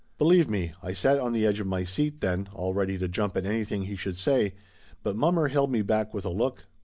Believe me, I sat on the edge of my seat then, all ready to jump at anything he should say. But mommer held me back with a look.